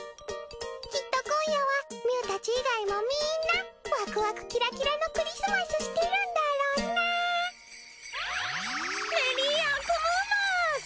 きっと今夜はみゅーたち以外もみんなワクワクキラキラのクリスマスしてるんだろうなメリーアクムーマス！